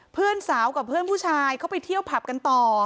เพื่อนสาวกับเพื่อนผู้ชายเขาไปเที่ยวผับกันต่อ